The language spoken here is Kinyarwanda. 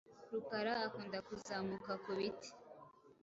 Rukara akunda kuzamuka ku biti.